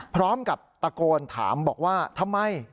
พร้อมกับตะโกนถามบอกว่าทำไม